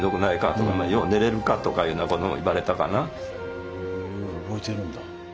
へ覚えてるんだ。